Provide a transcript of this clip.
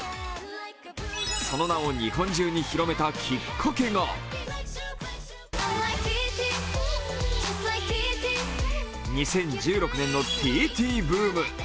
その名を日本中に広めたきっかけが２０１６年のＴＴブーム。